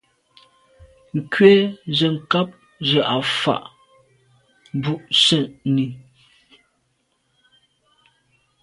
Nkwé ze nkàb zə̄ à fâ’ bû zə̀’nì.